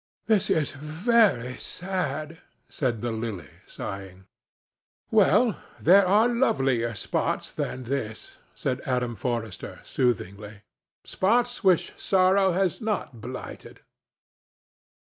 "This is very sad," said the Lily, sighing. "Well, there are lovelier spots than this," said Adam Forrester, soothingly—"spots which sorrow has not blighted."